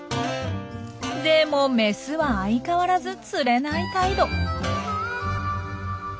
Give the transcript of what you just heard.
でもメスは相変わらずつれない態度。